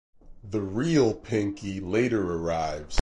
The real Pinky later arrives.